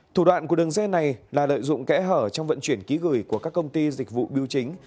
thủ đoạn của đường dây này là lợi dụng kẽ hở trong vận chuyển ký gửi của các công ty dịch vụ biêu chính